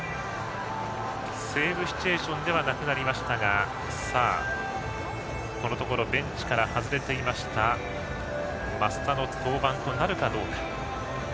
セーブシチュエーションではなくなりましたがこのところベンチから外れていた益田の登板となるかどうか。